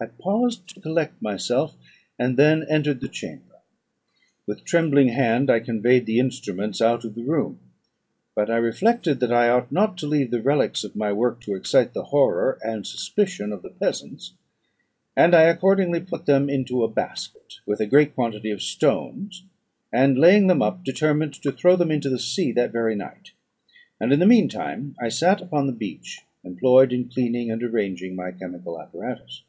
I paused to collect myself, and then entered the chamber. With trembling hand I conveyed the instruments out of the room; but I reflected that I ought not to leave the relics of my work to excite the horror and suspicion of the peasants; and I accordingly put them into a basket, with a great quantity of stones, and, laying them up, determined to throw them into the sea that very night; and in the mean time I sat upon the beach, employed in cleaning and arranging my chemical apparatus.